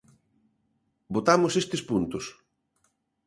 Votamos estes puntos.